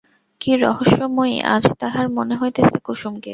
কী রহস্যময়ী আজ তাহার মনে হইতেছে কুসুমকে।